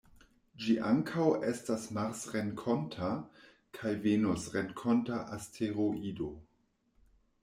Ĝi ankaŭ estas marsrenkonta kaj venusrenkonta asteroido.